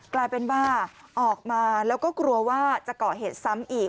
กลายเป็นว่าออกมาแล้วก็กลัวว่าจะเกาะเหตุซ้ำอีก